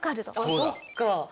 そっか。